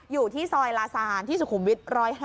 อยู่ที่ซอยลาซานที่สุขุมวิท๑๐๕